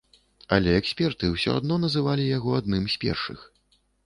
Але эксперты ўсё адно называлі яго адным з першых.